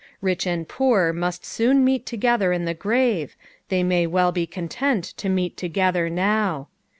Rich and poor must soon meet together in the grave, they may well be content to meet tof^ther now.